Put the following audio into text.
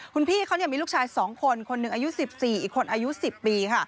คุณพี่เขามีลูกชาย๒คนคนหนึ่งอายุ๑๔อีกคนอายุ๑๐ปีค่ะ